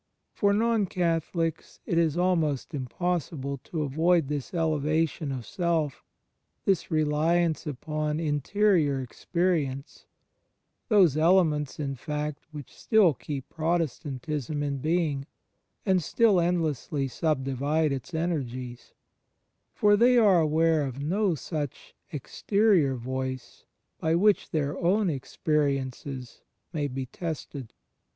For non Catholics it is almost impossible to avoid this elevation of self, this reliance upon interior experience — those elements in fact which still keep Protestantism in being, and still endlessly subdivide its energies: for they are aware of no such Exterior Voice by which their own experiences may be tested.